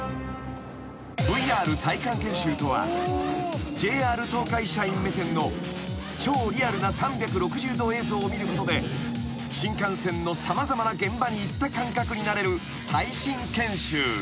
［ＶＲ体感研修とはＪＲ東海社員目線の超リアルな３６０度映像を見ることで新幹線の様々な現場に行った感覚になれる最新研修］